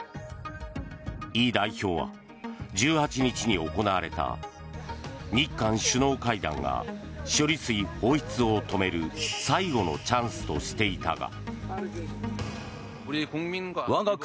イ代表は１８日に行われた日韓首脳会談が処理水放出を止める最後のチャンスとしていたが。